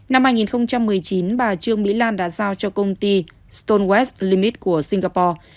năm hai nghìn một mươi chín bà trương mỹ lan đã giao cho công ty stolt limit của singapore